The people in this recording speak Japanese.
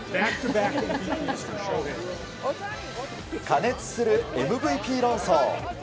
過熱するＭＶＰ論争。